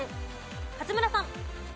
勝村さん。